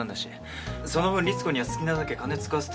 その分リツコには好きなだけ金使わせてんだ。